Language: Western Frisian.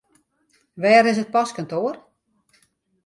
Wêr is it postkantoar?